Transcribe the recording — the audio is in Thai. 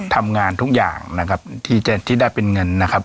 ทำงานทุกอย่างนะครับที่จะที่ได้เป็นเงินนะครับ